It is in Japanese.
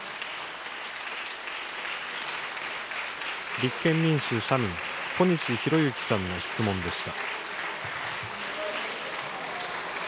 立憲民主・社民、小西洋之さんの質問でした。